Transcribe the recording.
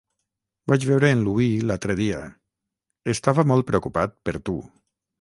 Vaig veure en Louis l'altre dia; estava molt preocupat per tu.